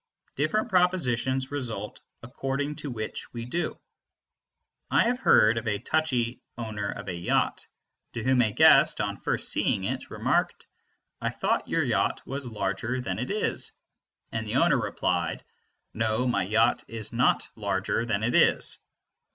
Different propositions result according to which we do. I have heard of a touchy owner of a yacht to whom a guest, on first seeing it, remarked, "I thought your yacht was larger than it is"; and the owner replied, "No, my yacht is not larger than it is."